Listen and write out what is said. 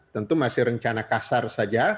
tentu masih rencana kasar saja